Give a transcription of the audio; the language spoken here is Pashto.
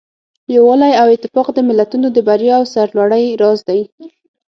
یووالی او اتفاق د ملتونو د بریا او سرلوړۍ راز دی.